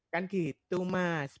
kan gitu mas